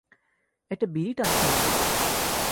একটা বিড়ি টানছিলাম কেবল।